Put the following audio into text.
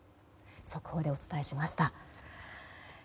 速報でお伝えしました。